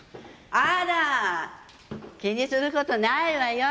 あら気にする事ないわよ。